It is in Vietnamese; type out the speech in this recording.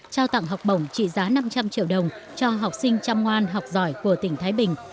trao tặng học bổng trị giá năm trăm linh triệu đồng cho học sinh chăm ngoan học giỏi của tỉnh thái bình